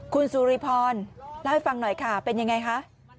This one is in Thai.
คุณสุริพรเล่าให้ฟังหน่อยค่ะเป็นยังไงคะ